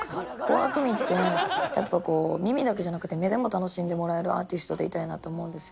倖田來未って、やっぱこう、耳だけじゃなくて、目でも楽しんでもらえるアーティストでいたいなと思うんですよ。